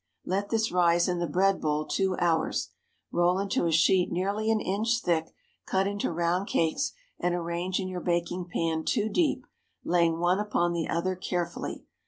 Let this rise in the bread bowl two hours. Roll into a sheet nearly an inch thick, cut into round cakes, and arrange in your baking pan two deep, laying one upon the other carefully.